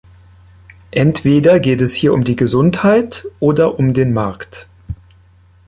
Entweder geht es hier um die Gesundheit oder um den Markt.